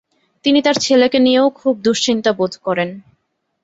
তিনি তাঁর ছেলেকে নিয়েও খুব দুশ্চিন্তা বোধ করেন।